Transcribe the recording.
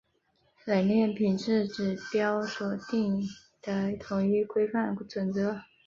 冷链品质指标所订定的统一规范准则。